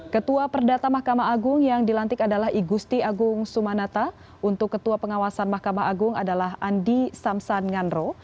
ketua perdata mahkamah agung yang dilantik adalah igusti agung sumanata untuk ketua pengawasan mahkamah agung adalah andi samsan nganro